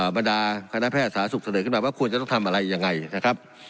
บรรดาคณะแพทย์สาธารณสุขเสนอขึ้นมาว่าควรจะต้องทำอะไรยังไงนะครับ